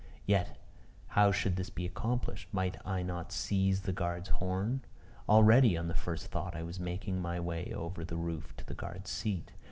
Yet, how should this be accomplished? Might I not seize the guard's horn? Already, on the first thought, I was making my way over the roof to the guard's seat.